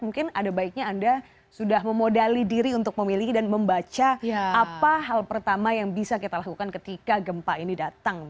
mungkin ada baiknya anda sudah memodali diri untuk memiliki dan membaca apa hal pertama yang bisa kita lakukan ketika gempa ini datang